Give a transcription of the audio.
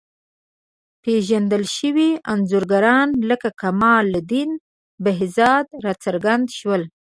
پېژندل شوي انځورګران لکه کمال الدین بهزاد راڅرګند شول.